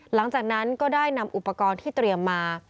หลังจากนั้นก็ได้นำอุปกรณ์ที่เตรียมมา